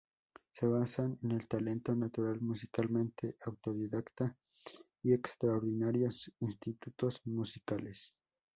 Se basan en el talento natural musicalmente, autodidacta, y extraordinarios instintos musicales.